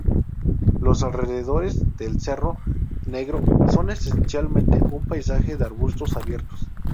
Los alrededores del Cerro Negro son esencialmente un paisaje de arbustos abiertos.